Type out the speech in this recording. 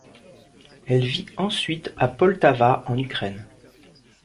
Elle vit ensuite à Poltava, en Ukraine.